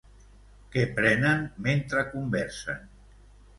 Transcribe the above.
Què prenen mentre conversen?